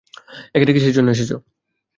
এখানে কীসের জন্যে এসেছ?